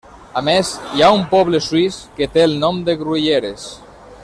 A més hi ha un poble suís que té el nom de Gruyères.